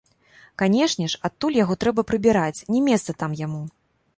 Канешне ж, адтуль яго трэба прыбіраць, не месца там яму.